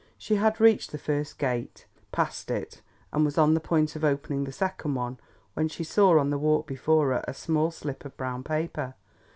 She had reached the first gate, passed it and was on the point of opening the second one, when she saw on the walk before her a small slip of brown paper.